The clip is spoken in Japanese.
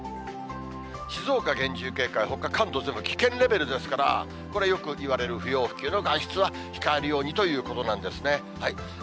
静岡厳重警戒、ほか関東全部危険レベルですから、これはよく言われる、不要不急の外出は控えるようにということなんですね。